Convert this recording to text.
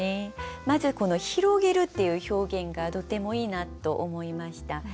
まずこの広げるっていう表現がとてもいいなと思いました。